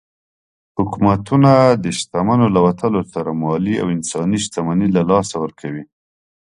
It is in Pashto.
حکومتونه د شتمنو له وتلو سره مالي او انساني شتمني له لاسه ورکوي.